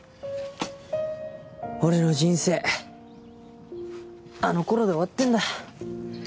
俺の人生あの頃で終わってんだ。